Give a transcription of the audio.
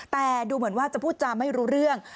แต่ดูเหมือนว่าจะพูดจาไม่รู้เรื่อง